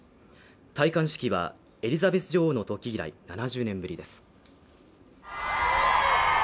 戴冠式はエリザベス女王のとき以来７０年ぶりです。